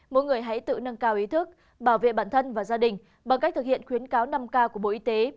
mỗi người hãy tự nâng cao ý thức bảo vệ bản thân và gia đình bằng cách thực hiện khuyến cáo năm k của bộ y tế